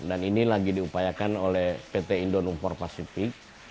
dan ini lagi diupayakan oleh pt indonungpor pasifik